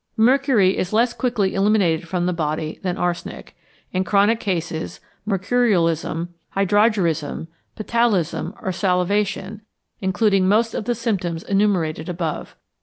Mercury is less quickly eliminated from the body than arsenic. In chronic cases 'mercurialism,' 'hydrargyrism,' 'ptyalism,' or 'salivation,' including most of the symptoms enumerated above.